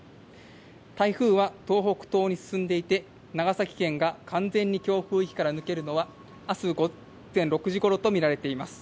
台風は東北東に進んでいて、長崎県が完全に強風域から抜けるのはあす午前６時ごろと見られています。